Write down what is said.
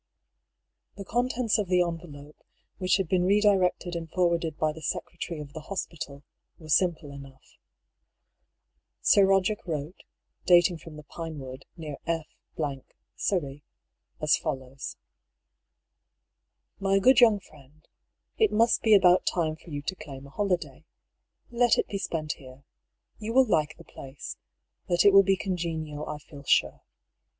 The contents of the envelope, which had been re directed and forwarded by the secretary of the hospital, were simple enough. Sir Eoderick wrote, dating from the Pinewood, near F , Surrey, as follows :—" My good young Friend, — It mnst be about time for you to claim a holiday. Let it be spent here. You will like the place ; that it will be congenial I feel sure.